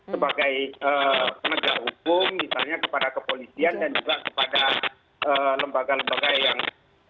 sebagai penegak hukum misalnya kepada kepolisian dan juga kepada lembaga lembaga yang